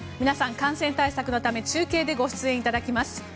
皆さん、感染対策のため中継でご出演いただきます。